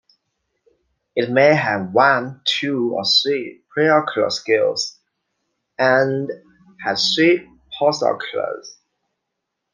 It may have one, two, or three preocular scales, and has three postoculars.